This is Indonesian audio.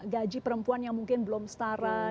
gaji perempuan yang mungkin belum setara